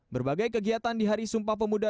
berbagai kegiatan di hari sumpah pemuda